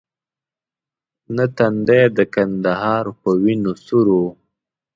نه تندی د کندهار په وینو سور وو.